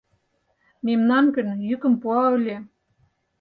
— Мемнан гын, йӱкым пуа ыле».